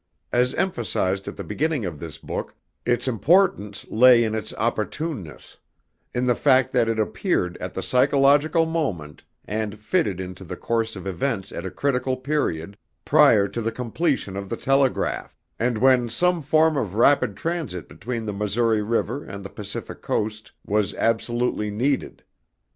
As emphasized at the beginning of this book, its importance lay in its opportuneness; in the fact that it appeared at the psychological moment, and fitted into the course of events at a critical period, prior to the completion of the telegraph; and when some form of rapid transit between the Missouri River and the Pacific Coast was absolutely needed.